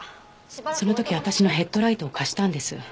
その時私のヘッドライトを貸したんです。